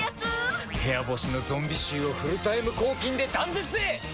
部屋干しのゾンビ臭をフルタイム抗菌で断絶へ！